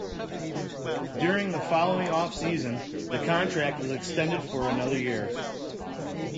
During the following off-season, the contract was extended for another year.